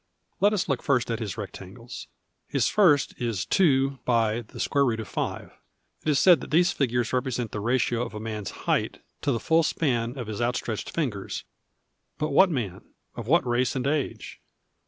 Let us look lirst at his reetan<3des. His first is 2 X \ 5. It is said that these figures represent the ratio of a man's hcifrht to the full si)an of his out stretched fingers. But what man ? Of what race and age